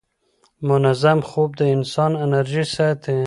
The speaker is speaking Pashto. منظم خوب د انسان انرژي ساتي.